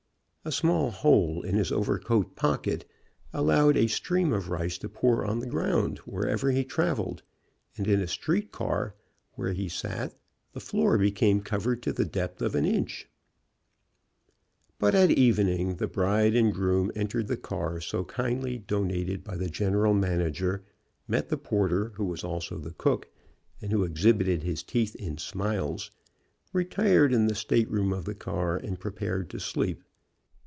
A small hole in his overcoat pocket allowed a stream of rice to pour on the ground wherever he traveled, and in a street car where he sat trie floor became covered to the depth of an inch. But at evening the bride and grocm entered the car so kindly donated by the general manager, met the porter, who was also the cook, and who exhibited his teeth in smiles, retired in the stateroom of the car, 56 INTERRUPTED WEDDING TRIP and prepared to sleep.